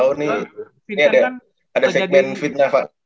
ini ada segmen fitnya